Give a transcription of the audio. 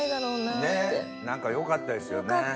何かよかったですよね。